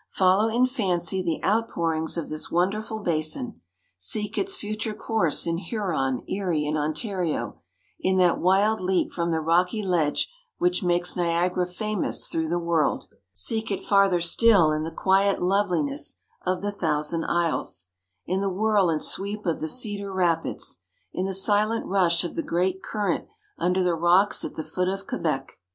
Follow in fancy the outpourings of this wonderful basin; seek its future course in Huron, Erie, and Ontario in that wild leap from the rocky ledge which makes Niagara famous through the world. Seek it farther still in the quiet loveliness of the Thousand Isles, in the whirl and sweep of the Cedar Rapids, in the silent rush of the great current under the rocks at the foot of Quebec.